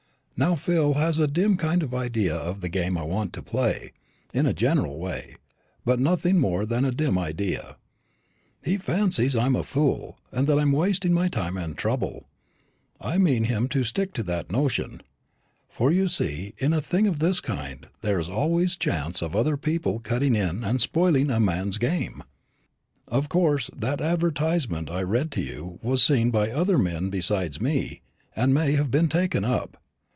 Now Phil has a dim kind of idea of the game I want to play, in a general way, but nothing more than a dim idea. He fancies I'm a fool, and that I'm wasting my time and trouble. I mean him to stick to that notion. For, you see, in a thing of this kind there's always a chance of other people cutting in and spoiling a man's game. Of course, that advertisement I read to you was seen by other men besides me, and may have been taken up.